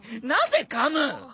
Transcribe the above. なぜかむ！？